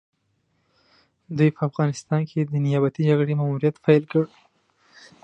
دوی په افغانستان کې د نيابتي جګړې ماموريت پيل کړ.